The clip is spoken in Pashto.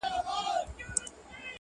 دا چي د سونډو د خـندا لـه دره ولـويــږي.